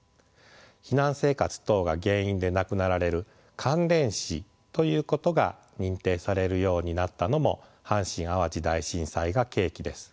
避難生活等が原因で亡くなられる関連死ということが認定されるようになったのも阪神・淡路大震災が契機です。